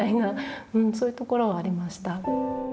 そういうところはありました。